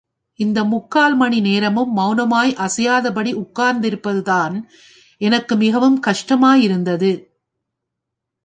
இந்த முக்கால் மணி நேரமும் மௌனமாய் அசையாதபடி உட்கார்ந்திருப்பதுதான் எனக்கு மிகவும் கஷ்டமாயிருந்தது.